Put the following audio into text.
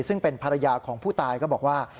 ซึ่งเป็นภรรยาของผู้ตายก็บอกว่า